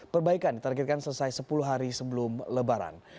perbaikan ditargetkan selesai sepuluh hari sebelum lebaran